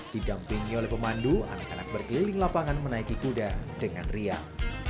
di jampingnya oleh pemandu anak anak berkeliling lapangan menaiki kuda dengan real